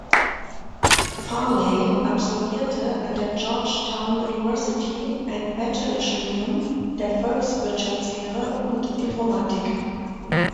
Farley absolvierte an der Georgetown University ein Bachelorstudium der Volkswirtschaftslehre und Informatik.